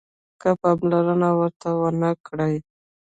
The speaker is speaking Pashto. که پاملرنه ورته ونه کړئ